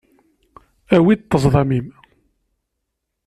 Awi-d ṭṭezḍam-im.